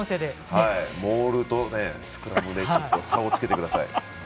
モールとスクラムで差をつけてください。